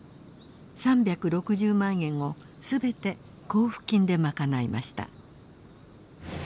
３６０万円を全て交付金で賄いました。